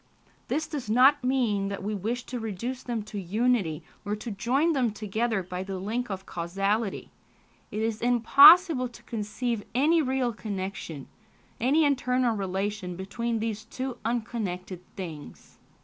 This does not mean that we wish to reduce them to unity, or to join them together by the link of causality ... it is impossible to conceive any real connection, any internal relation between these two unconnected things."